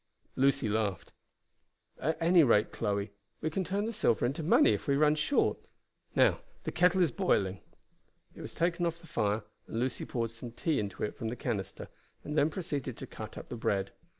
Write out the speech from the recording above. Lucy laughed. "At any rate, Chloe, we can turn the silver into money if we run short. Now the kettle is boiling." It was taken off the fire, and Lucy poured some tea into it from the canister, and then proceeded to cut up the bread.